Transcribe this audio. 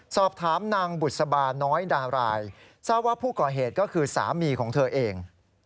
สอบถามนางบุษบาน้อยดารายทราบว่าผู้ก่อเหตุก็คือสามีของเธอเอง